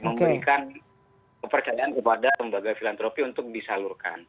memberikan kepercayaan kepada lembaga filantropi untuk disalurkan